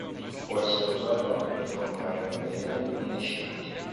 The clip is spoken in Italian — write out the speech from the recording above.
Può essere usato anche per formare materiali luminescenti.